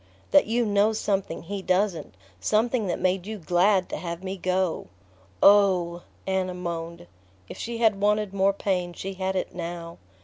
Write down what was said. "That you know something he doesn't ... something that made you glad to have me go." "Oh " Anna moaned. If she had wanted more pain she had it now.